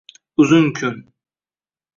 Uzun kun.